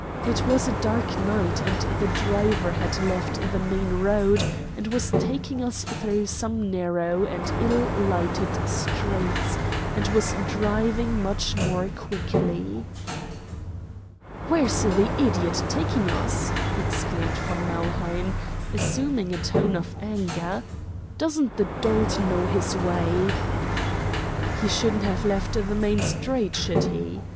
It was a dark night, and the driver had left the main road and was taking us through some narrow and ill lighted streets, and was driving much more quickly. "Where's the idiot taking us?" exclaimed von Nauheim, assuming a tone of anger. "Doesn't the dolt know his way?" "He shouldn't have left the main street, should he?"